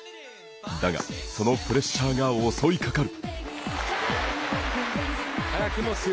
だが、そのプレッシャーが襲いかかる。